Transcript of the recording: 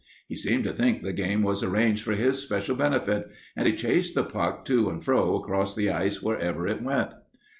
He seemed to think the game was arranged for his special benefit, and he chased the puck to and fro across the ice wherever it went.